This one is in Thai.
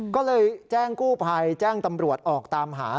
ก็เลยแจ้งกู้ภัยแจ้งตำรวจออกตามหา